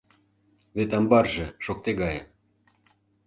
Вет амбарже шокте гае.